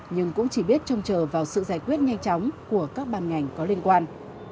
nhưng cũng chỉ biết trông chờ vào sự giải quyết nhanh chóng của các ban ngành có liên quan